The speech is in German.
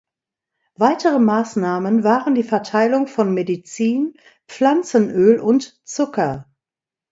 Weitere Maßnahmen waren die Verteilung von Medizin, Pflanzenöl und Zucker.